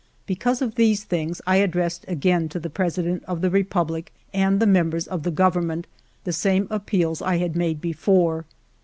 Because of these things I addressed again to the President of the Republic and the members of the Government the same appeals I had made before.